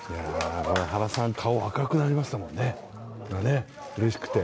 原さん、顔が赤くなりましたもんね、うれしくて。